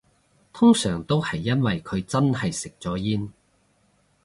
通常都係因為佢真係食咗煙